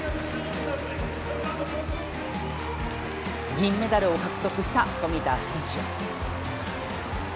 銀メダルを獲得した富田選手。